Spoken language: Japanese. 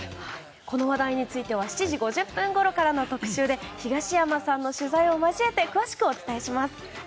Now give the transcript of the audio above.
この話題については７時５０分ごろからの特集で東山さんの取材を交えて詳しくお伝えします。